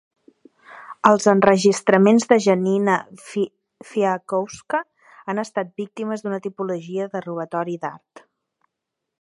Els enregistraments de Janina Fialkowska han estat víctimes d'una tipologia de robatori d'art.